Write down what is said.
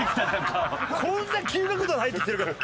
こんな急角度で入ってきてるから。